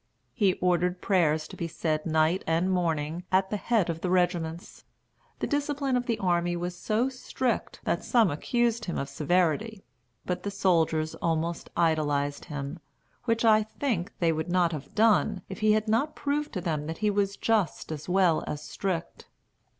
He ordered prayers to be said night and morning at the head of the regiments. The discipline of the army was so strict, that some accused him of severity. But the soldiers almost idolized him, which I think they would not have done, if he had not proved to them that he was just as well as strict.